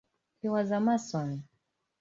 He was a Mason.